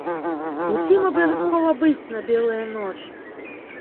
Усім абавязкова быць на белыя ночы!